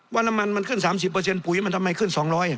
ว่าน้ำมันมันขึ้น๓๐ปุ๋ยมันทำไมขึ้น๒๐๐